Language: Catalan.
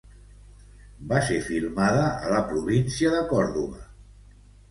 Va ser filmada a Cerro Áspero a la província de Còrdova.